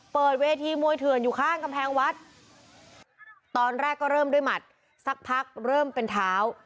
เปิดเวทีมวยเถื่อนอยู่ข้างกำแพงวัดตอนแรกก็เริ่มด้วยหมัดสักพักเริ่มเป็นเท้า